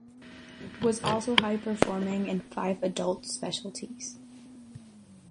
It was also high-performing in five adult specialties.